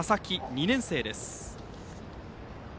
２年生です。